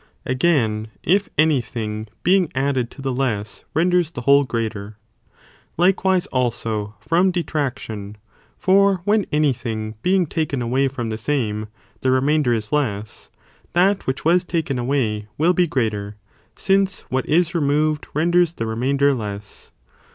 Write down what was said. Again, if any thing being added to the less renders the whole greater. Likewise also from detraction, for.when any thing being taken away Gustin from the same, the remainder is 1688, that (which was taken away) will be greater, since what is removed renders the remainder less.